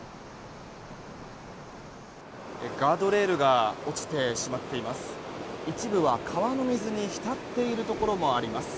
ガードレールが落ちてしまっています。